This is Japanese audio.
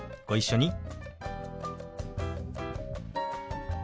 ご一緒に。